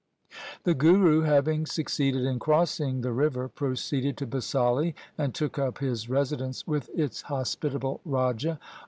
The Guru having succeeded in crossing the river proceeded to Basali, and took up his residence with its hospitable raja.